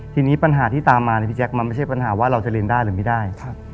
ทีนี้ปัญหาที่ตามมานะพี่แจ๊คมันไม่ใช่ปัญหาว่าเราจะเรียนได้หรือไม่ได้